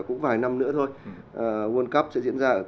cũng phải mất tám chín tháng thì mới giải quyết được